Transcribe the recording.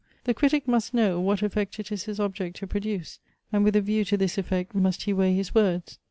The critic must know, what effect it is his object to produce; and with a view to this effect must he weigh his words.